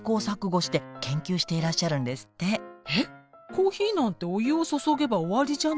コーヒーなんてお湯を注げば終わりじゃない。